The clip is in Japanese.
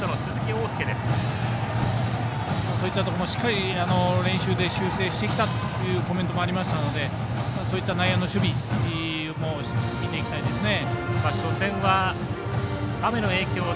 そういったところもしっかり練習で修正してきたところもありますのでそういった内野の守備見ていきたいですね。